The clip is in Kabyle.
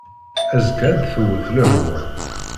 Azekka ad d-tewwet lehwa.